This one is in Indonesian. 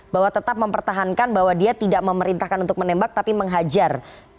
bahwa tetap mempertahankan bahwa dia tidak memerintahkan untuk menembak tapi menghajar